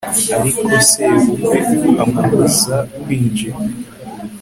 ariko sebukwe amubuza kwinjira